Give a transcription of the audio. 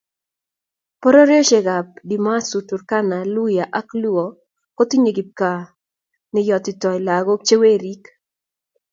Pororiosiekab dimasu turkana luhya ak Luo kotinyei kipkaa neyotitoi lagok che werik